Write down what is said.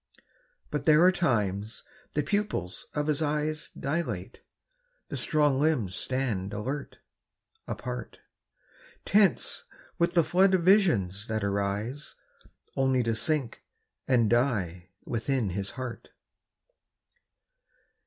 But there are times the pupils of his eyes Dilate, the strong limbs stand alert, apart, Tense with the flood of visions that arise Only to sink and die within his heart.